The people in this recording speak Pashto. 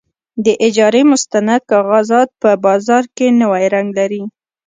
د اجارې مستند کاغذات په بازار کې نوی رنګ لري.